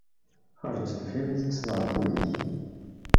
Ferrej lfilm, tekkseḍ ɣef ul-ik.